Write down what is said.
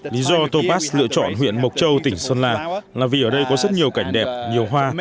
lý do topas lựa chọn huyện mộc châu tỉnh sơn la là vì ở đây có rất nhiều cảnh đẹp nhiều hoa